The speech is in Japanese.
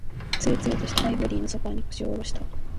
つるつるとしたアイボリーのソファーに、腰を下ろした。